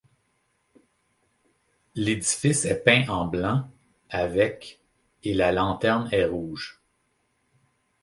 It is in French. L'édifice est peint en blanc avec et la lanterne est rouge.